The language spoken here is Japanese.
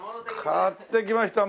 買ってきました